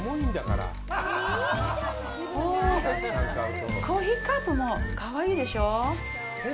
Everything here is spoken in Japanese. あぁ、コーヒーカップもかわいいでしょう？